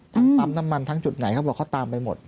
ปั๊มน้ำมันทั้งจุดไหนเขาบอกเขาตามไปหมด